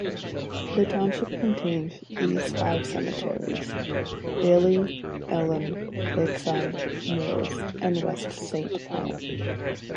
The township contains these five cemeteries: Bailey, Elim, Lakeside, Mills and West Saint Paul.